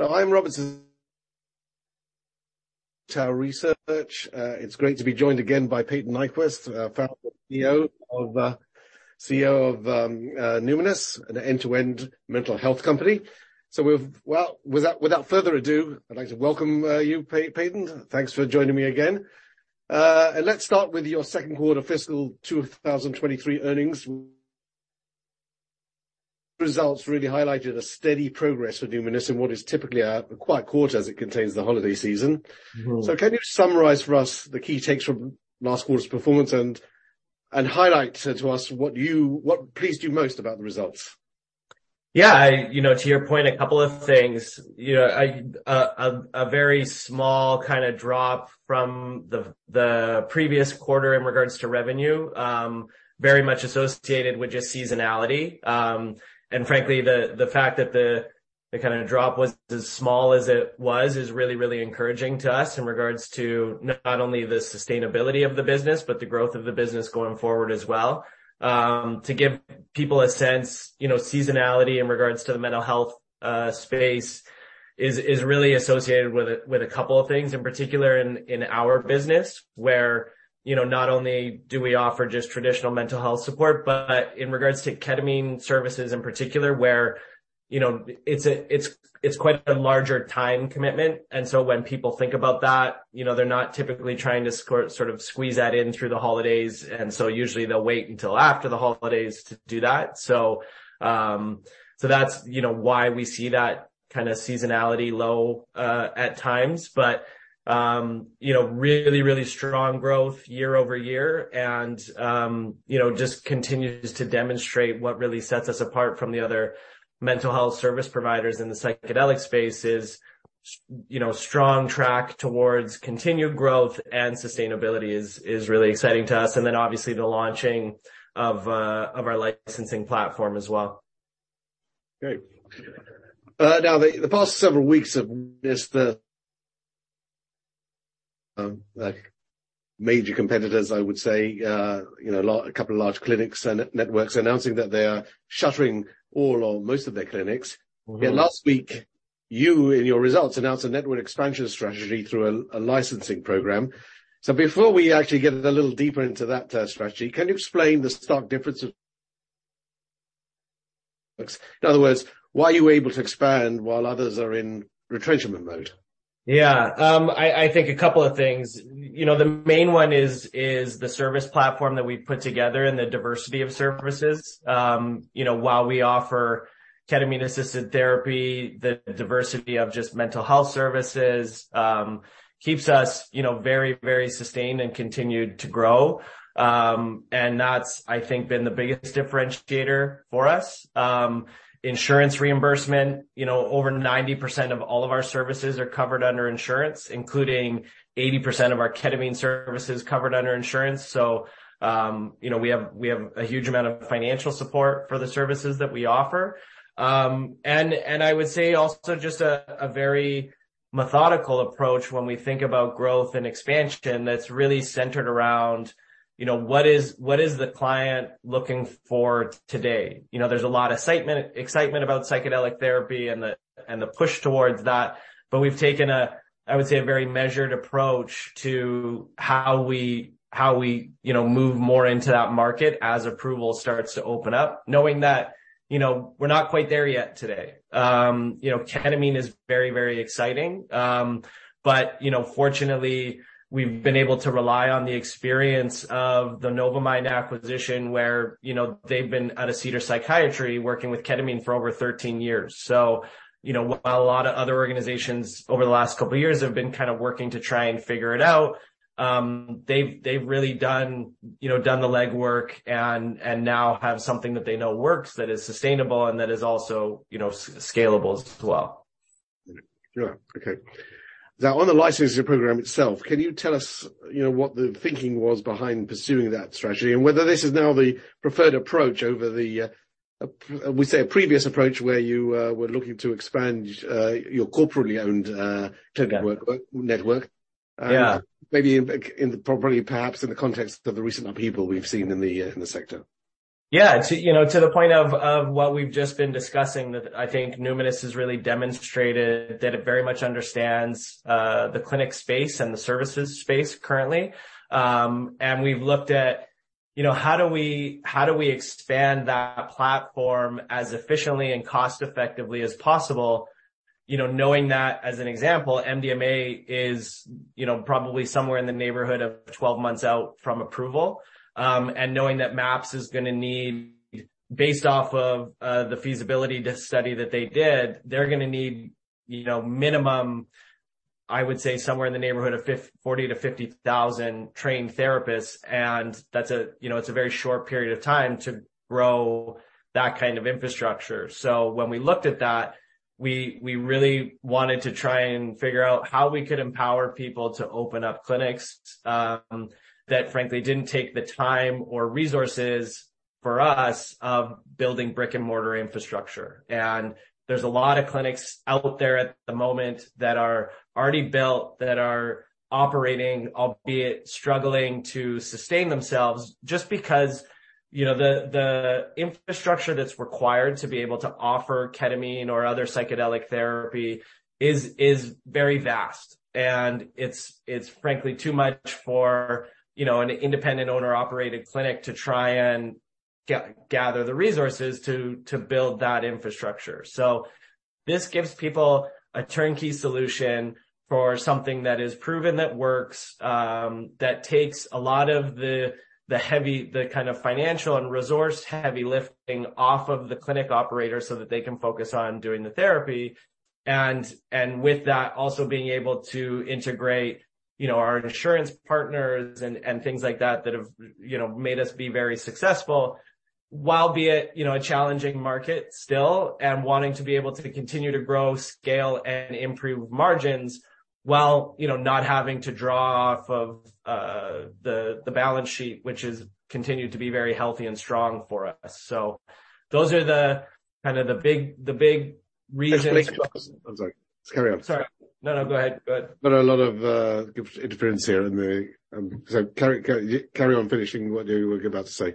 I'm Robert Water Tower Research. It's great to be joined again by Payton Nyquvest, founder and CEO of Numinus, an end-to-end mental health company. Well, without further ado, I'd like to welcome you, Payton. Thanks for joining me again. Let's start with your second 1/4 fiscal 2023 earnings. Results really highlighted a steady progress for Numinus in what is typically a quiet 1/4 as it contains the holiday season. Mm-hmm. Can you summarize for us the key takes from last 1/4's performance and highlight to us what pleased you most about the results? Yeah. I, you know, to your point, a couple of things. You know, I, a very small kinda drop from the previous 1/4 in regards to revenue, very much associated with just seasonality. Frankly, the fact that the kinda drop was as small as it was, is really, really encouraging to us in regards to not only the sustainability of the business, but the growth of the business going forward as well. To give people a sense, you know, seasonality in regards to the mental health space is really associated with a, with a couple of things, in particular in our business, where, you know, not only do we offer just traditional mental health support, but in regards to ketamine services in particular, where, you know, it's a, it's quite a larger time commitment. When people think about that, you know, they're not typically trying to sort of squeeze that in through the holidays, and so usually they'll wait until after the holidays to do that. That's, you know, why we see that kinda seasonality low at times. You know, really strong growth year-over-year and, you know, just continues to demonstrate what really sets us apart from the other mental health service providers in the psychedelic space is, you know, strong track towards continued growth and sustainability is really exciting to us, and then obviously the launching of our licensing platform as well. Great. Now, the past several weeks have missed the, like major competitors, I would say. You know, a couple of large clinics and networks announcing that they are shuttering all or most of their clinics. Mm-hmm. Last week, you in your results announced a network expansion strategy through a licensing program. Before we actually get a little deeper into that strategy, can you explain the stark difference. In other words, why are you able to expand while others are in retrenchment mode? Yeah. I think a couple of things. You know, the main 1 is the service platform that we put together and the diversity of services. You know, while we offer ketamine-assisted therapy, the diversity of just mental health services, keeps us, you know, very sustained and continued to grow. That's, I think, been the biggest differentiator for us. Insurance reimbursement. You know, over 90% of all of our services are covered under insurance, including 80% of our ketamine services covered under insurance. You know, we have a huge amount of financial support for the services that we offer. I would say also just a very methodical approach when we think about growth and expansion that's really centered around, you know, what is the client looking for today. You know, there's a lot of excitement about psychedelic therapy and the push towards that, but we've taken a, I would say, a very measured approach to how we, you know, move more into that market as approval starts to open up, knowing that, you know, we're not quite there yet today. You know, ketamine is very exciting. You know, fortunately, we've been able to rely on the experience of the Novamind acquisition, where, you know, they've been out of Cedar Psychiatry working with ketamine for over 13 years. You know, while a lot of other organizations over the last couple of years have been kind of working to try and figure it out, they've really done, you know, done the legwork and now have something that they know works that is sustainable and that is also, you know, scalable as well. Yeah. Okay. Now on the licensing program itself, can you tell us, you know, what the thinking was behind pursuing that strategy, and whether this is now the preferred approach over the we say a previous approach where you were looking to expand your corporately owned clinic network? Yeah. Maybe in, like, in the properly perhaps in the context of the recent upheaval we've seen in the sector. Yeah. To, you know, to the point of what we've just been discussing, that I think Numinus has really demonstrated that it very much understands, the clinic space and the services space currently. We've looked at, you know, how do we, how do we expand that platform as efficiently and cost effectively as possible, you know, knowing that as an example, MDMA is, you know, probably somewhere in the neighborhood of 12 months out from approval. Knowing that MAPS is gonna need, based off of, the feasibility study that they did, they're gonna need, you know, minimum, I would say somewhere in the neighborhood of 40,000-50,000 trained therapists, and that's a, you know, it's a very short period of time to grow that kind of infrastructure. When we looked at that, we really wanted to try and figure out how we could empower people to open up clinics that frankly didn't take the time or resources for us of building Brick-and-Mortar infrastructure. There's a lot of clinics out there at the moment that are already built, that are operating, albeit struggling to sustain themselves, just because, you know, the infrastructure that's required to be able to offer ketamine or other psychedelic therapy is very vast. It's frankly too much for, you know, an independent owner-operated clinic to try and gather the resources to build that infrastructure. This gives people a turnkey solution for something that is proven that works, that takes a lot of the heavy, the kind of financial and resource heavy lifting off of the clinic operator so that they can focus on doing the therapy. With that, also being able to integrate, you know, our insurance partners and things like that have, you know, made us be very successful while be it, you know, a challenging market still, and wanting to be able to continue to grow, scale, and improve margins while, you know, not having to draw off of the balance sheet, which has continued to be very healthy and strong for us. Those are the kind of the big reasons. I'm sorry. Carry on. Sorry. No, no, go ahead. Go ahead. A lot of interference here in the. Carry on finishing what you were about to say.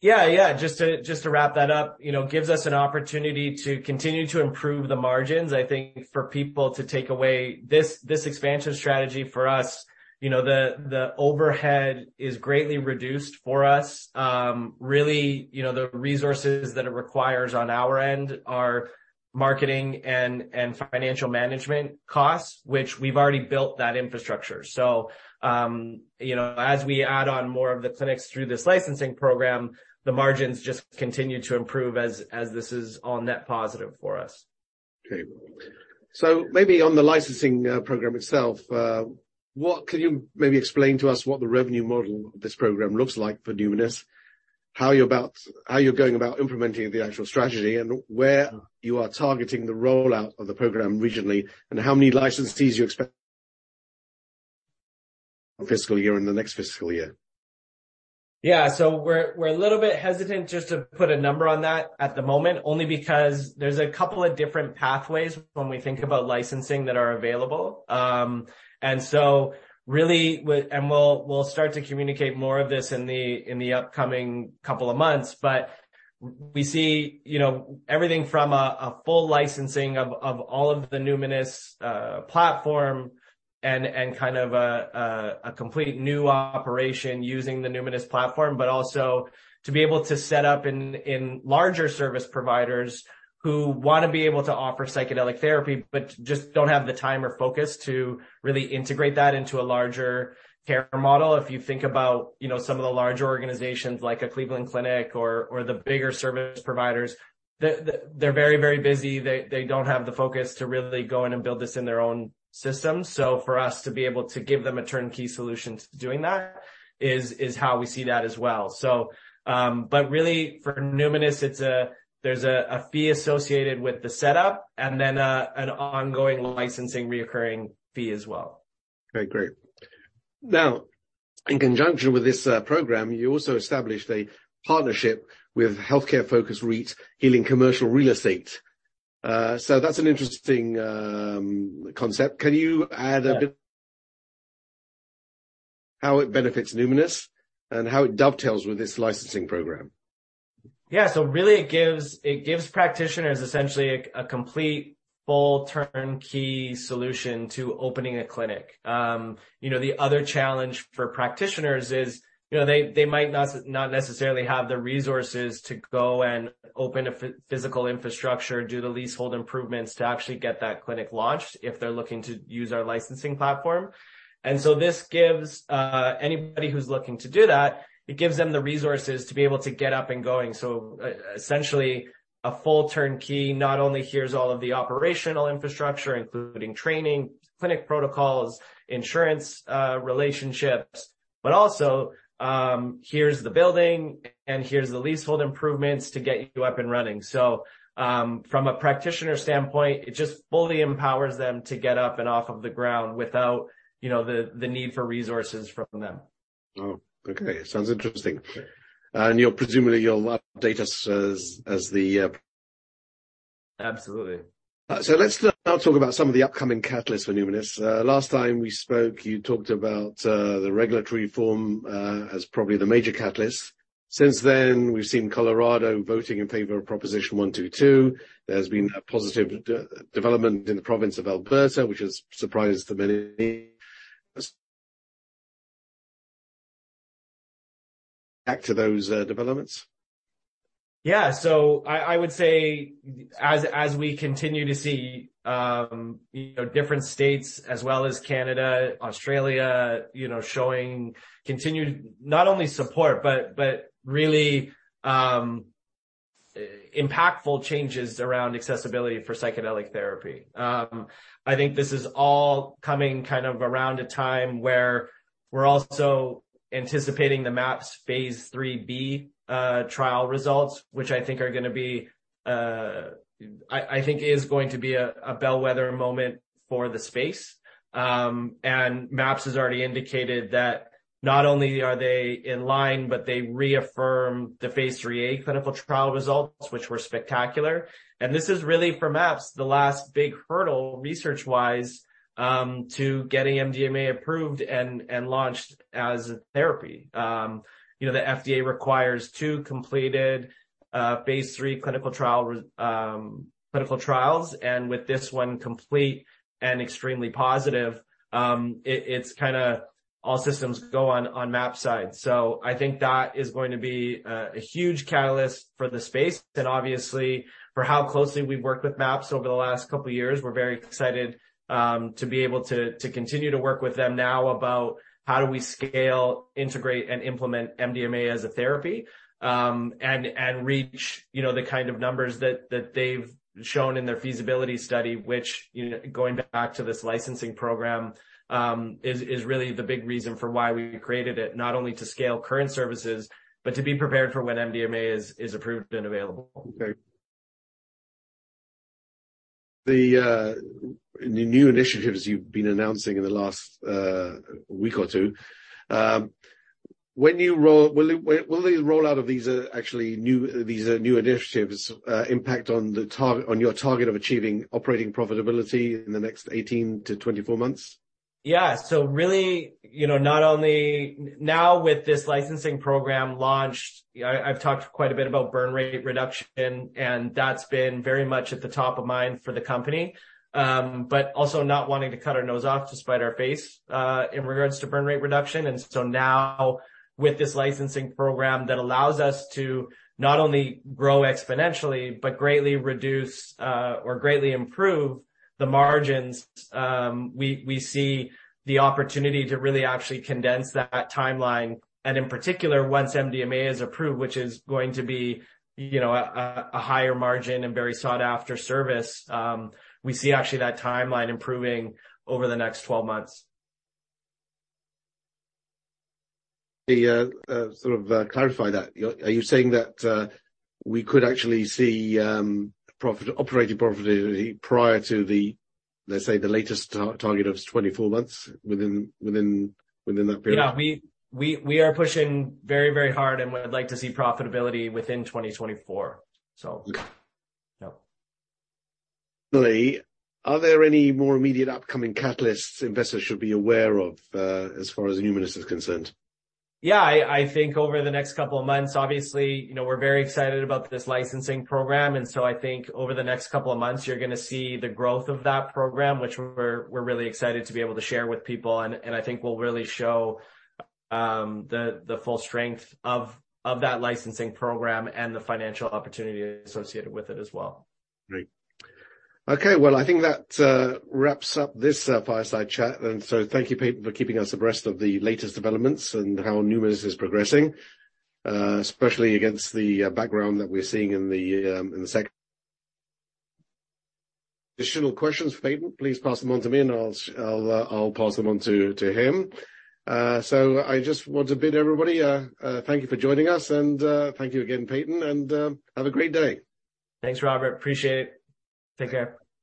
Yeah. Just to wrap that up, you know, gives us an opportunity to continue to improve the margins. I think for people to take away this expansion strategy for us, you know, the overhead is greatly reduced for us. Really, you know, the resources that it requires on our end are marketing and financial management costs, which we've already built that infrastructure. You know, as we add on more of the clinics through this licensing program, the margins just continue to improve as this is all net positive for us. Maybe on the licensing, program itself, what can you maybe explain to us what the revenue model of this program looks like for Numinus, how you're going about implementing the actual strategy, and where you are targeting the rollout of the program regionally, and how many licensees you expect fiscal year and the next fiscal year? We're a little bit hesitant just to put a number on that at the moment, only because there's a couple of different pathways when we think about licensing that are available. Really and we'll start to communicate more of this in the, in the upcoming couple of months, but we see, you know, everything from a full licensing of all of the Numinus platform and kind of a complete new operation using the Numinus platform. To be able to set up in larger service providers who wanna be able to offer psychedelic therapy but just don't have the time or focus to really integrate that into a larger care model. If you think about, you know, some of the larger organizations like a Cleveland Clinic or the bigger service providers, they're very, very busy. They don't have the focus to really go in and build this in their own system. For us to be able to give them a turnkey solution to doing that is how we see that as well. Really for Numinus, there's a fee associated with the setup and then an ongoing licensing reoccurring fee as well. Okay, great. In conjunction with this program, you also established a partnership with healthcare-focused REIT, Healing Commercial Real Estate. That's an interesting concept. Can you add a bit how it benefits Numinus and how it dovetails with this licensing program? Really it gives practitioners essentially a complete full turnkey solution to opening a clinic. You know, the other challenge for practitioners is, you know, they might not necessarily have the resources to go and open a physical infrastructure, do the leasehold improvements to actually get that clinic launched if they're looking to use our licensing platform. This gives anybody who's looking to do that, it gives them the resources to be able to get up and going. Essentially a full turnkey, not only here's all of the operational infrastructure, including training, clinic protocols, insurance, relationships, but also here's the building and here's the leasehold improvements to get you up and running. from a practitioner standpoint, it just fully empowers them to get up and off of the ground without, you know, the need for resources from them. Oh, okay. Sounds interesting. You'll presumably update us as the- Absolutely. Let's now talk about some of the upcoming catalysts for Numinus. Last time we spoke, you talked about the regulatory reform as probably the major catalyst. We've seen Colorado voting in favor of Proposition 122. There's been a positive de-development in the province of Alberta, which has surprised many back to those developments. I would say as we continue to see, you know, different states as well as Canada, Australia, you know, showing continued not only support but really impactful changes around accessibility for psychedelic therapy. I think this is all coming kind of around a time where we're also anticipating the MAPS phase 3b trial results, which I think are going to be a bellwether moment for the space. MAPS has already indicated. Not only are they in line, but they reaffirm the phase 3a clinical trial results, which were spectacular. This is really for MAPS, the last big hurdle research-wise, to get MDMA approved and launched as therapy. You know, the FDA requires 2 completed, phase 3 clinical trial clinical trials, with this 1 complete and extremely positive, it's kinda all systems go on MAPS side. I think that is going to be a huge catalyst for the space and obviously for how closely we've worked with MAPS over the last couple of years. We're very excited, to be able to continue to work with them now about how do we scale, integrate, and implement MDMA as a therapy, and reach, you know, the kind of numbers that they've shown in their feasibility study, which, you know, going back to this licensing program, is really the big reason for why we created it, not only to scale current services, but to be prepared for when MDMA is approved and available. Okay. The new initiatives you've been announcing in the last week or 2, will the rollout of these actually these new initiatives impact on your target of achieving operating profitability in the next 18 to 24 months? Really, you know, not only... now with this licensing program launched, you know, I've talked quite a bit about burn rate reduction, and that's been very much at the top of mind for the company. Also, not wanting to cut our nose off to spite our face in regards to burn rate reduction. Now with this licensing program that allows us to not only grow exponentially but greatly reduce or greatly improve the margins, we see the opportunity to really actually condense that timeline. In particular, once MDMA is approved, which is going to be, you know, a higher margin and very sought-after service, we see actually that timeline improving over the next 12 months. The, sort of clarify that. Are you saying that, we could actually see, operating profitability prior to the, let's say, the latest target of 24 months within that period? Yeah. We are pushing very, very hard, and we'd like to see profitability within 2024. Okay. Yeah. Finally, are there any more immediate upcoming catalysts investors should be aware of, as far as Numinus is concerned? I think over the next couple of months, obviously, you know, we're very excited about this licensing program, and so I think over the next couple of months, you're gonna see the growth of that program, which we're really excited to be able to share with people, and I think will really show the full strength of that licensing program and the financial opportunity associated with it as well. Great. Okay. Well, I think that wraps up this fireside chat. Thank you, Payton, for keeping us abreast of the latest developments and how Numinus is progressing, especially against the background that we're seeing. Additional questions for Payton, please pass them on to me, and I'll pass them on to him. I just want to bid everybody, thank you for joining us and thank you again, Payton, and have a great day. Thanks, Robert. Appreciate it. Take care.